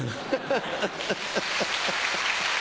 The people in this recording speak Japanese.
ハハハハ。